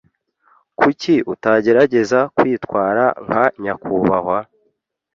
Kuki utagerageza kwitwara nka nyakubahwa?